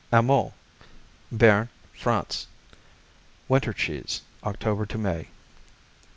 Amou Béarn, France Winter cheese, October to May.